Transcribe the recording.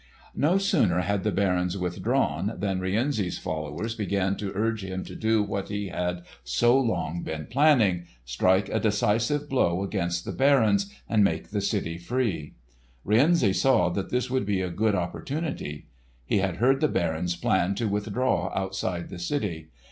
No sooner had the barons withdrawn than Rienzi's followers began to urge him to do what he had so long been planning—strike a decisive blow against the barons and make the city free. Rienzi saw that this would be a good opportunity. He had heard the barons plan to withdraw outside the city.